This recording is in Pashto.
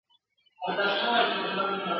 ټول پر دي مو وي شړلي خپل وطن خپل مو اختیار کې !.